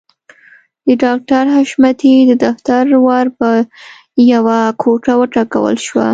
د ډاکټر حشمتي د دفتر ور په يوه ګوته وټکول شو.